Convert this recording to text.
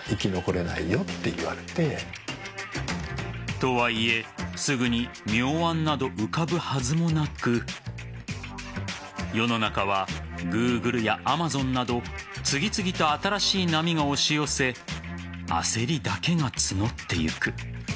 とはいえすぐに妙案など浮かぶはずもなく世の中はＧｏｏｇｌｅやＡｍａｚｏｎなど次々と新しい波が押し寄せ焦りだけが募っていく。